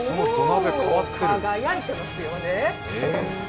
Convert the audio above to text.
輝いてますよね。